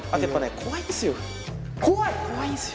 怖いんですよ。